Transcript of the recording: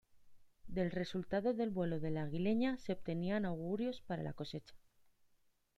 Del resultado del vuelo de la aguileña se obtenían augurios para la cosecha.